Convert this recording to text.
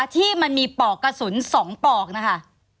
ที่มันมีปอกกระสุน๒ปอกนะคะ